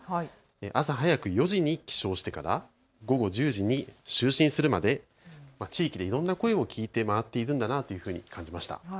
朝早く４時に起床してから午後１０時に就寝するまで地域でいろんな声を聞いて回っているなというふうに感じました。